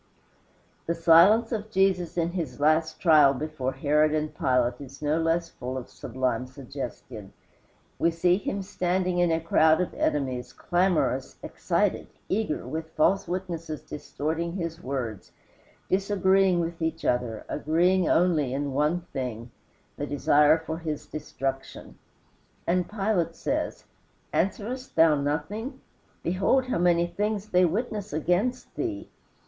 The silence of Jesus in his last trial before Herod and Pilate is no less full of sublime suggestion. We see him standing in a crowd of enemies clamorous, excited, eager, with false witnesses distorting his words, disagreeing with each other, agreeing only in one thing: the desire for his destruction. And Pilate says, "Answerest thou nothing? Behold how many things they witness against thee."